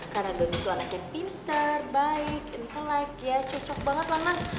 karena donny itu anaknya pinter baik entelik ya cocok banget lah mas